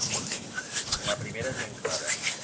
La primera és ben clara.